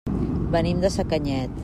Venim de Sacanyet.